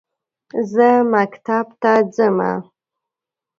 زه مکتب ته زمه